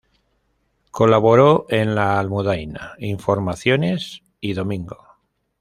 Colaboró en "La Almudaina", "Informaciones" y "Domingo".